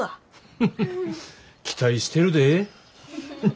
フフフ期待してるで。